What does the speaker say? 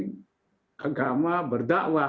jangan melanggar aturan